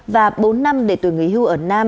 và bốn năm để tuổi nghỉ hưu